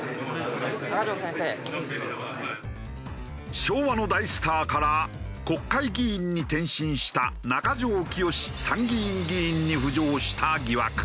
昭和の大スターから国会議員に転身した中条きよし参議院議員に浮上した疑惑。